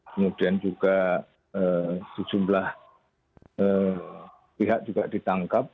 kemudian juga sejumlah pihak juga ditangkap